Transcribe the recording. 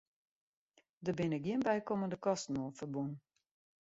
Der binne gjin bykommende kosten oan ferbûn.